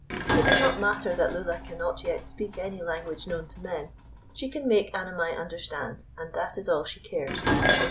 It does not matter that Lulla cannot yet speak any language known to men; she can make Annamai understand, and that is all she cares.